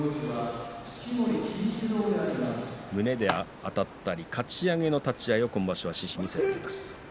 胸であたったりかち上げの立ち合いを今場所は獅司に見せています。